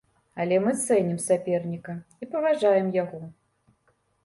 Але мы цэнім саперніка і паважаем яго.